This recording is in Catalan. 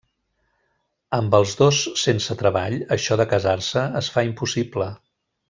Amb els dos sense treball això de casar-se es fa impossible.